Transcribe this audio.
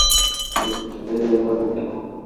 মনকে সহজে জয় করা যায় না।